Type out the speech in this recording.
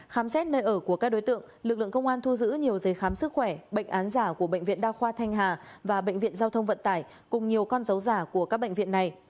khám xét nơi ở của các đối tượng lực lượng công an thu giữ nhiều giấy khám sức khỏe bệnh án giả của bệnh viện đa khoa thanh hà và bệnh viện giao thông vận tải cùng nhiều con dấu giả của các bệnh viện này